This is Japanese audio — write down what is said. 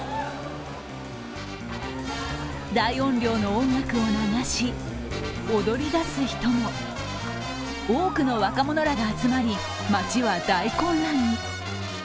大音量の音楽を流し、踊り出す人も多くの若者らが集まり、街は大混乱に。